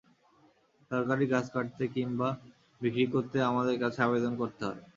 সরকারি গাছ কাটতে কিংবা বিক্রি করতে আমাদের কাছে আবেদন করতে হয়।